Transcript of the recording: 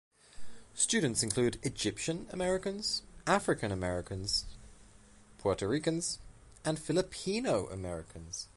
Students include Egyptian Americans, African Americans, Puerto Ricans, and Filipino Americans.